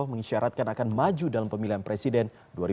mengisyaratkan akan maju dalam pemilihan presiden dua ribu sembilan belas